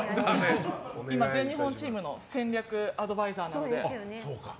今、全日本チームの戦略アドバイザーなので。